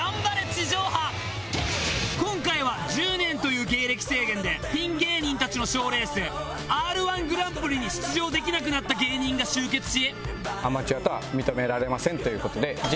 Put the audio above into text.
今回は１０年という芸歴制限でピン芸人たちの賞レースＲ−１グランプリに出場できなくなった芸人が集結し。